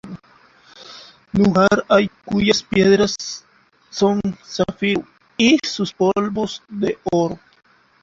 Lugar hay cuyas piedras son zafiro, Y sus polvos de oro.